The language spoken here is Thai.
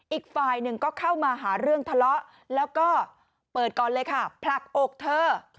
อีกฝ่ายหนึ่งก็เข้ามาหาเรื่องทะเลาะแล้วก็เปิดก่อนเลยค่ะผลักอกเธอ